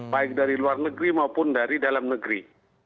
baik dari luar negeri maupun dari dalam negeri